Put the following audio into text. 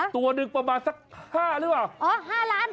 ตัวหนึ่งประมาณสัก๕หรือเปล่า